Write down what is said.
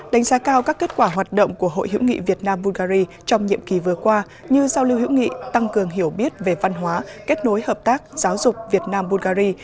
đánh giá cao các kết quả hoạt động của hội hữu nghị việt nam bulgari trong nhiệm kỳ vừa qua như giao lưu hữu nghị tăng cường hiểu biết về văn hóa kết nối hợp tác giáo dục việt nam bulgari